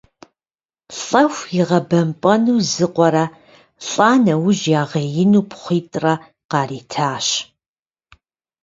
Лӏэху игъэбэмпӏэну зы къуэрэ, лӏа нэужь ягъеину пхъуитӏрэ къаритащ.